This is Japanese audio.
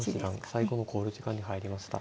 最後の考慮時間に入りました。